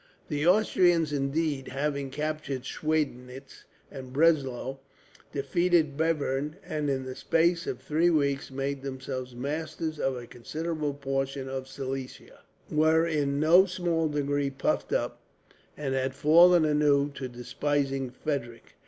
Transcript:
The Austrians, indeed, having captured Schweidnitz and Breslau, defeated Bevern, and in the space of three weeks made themselves masters of a considerable portion of Silesia, were in no small degree puffed up, and had fallen anew to despising Frederick.